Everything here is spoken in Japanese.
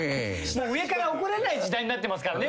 上から怒られない時代になってますからね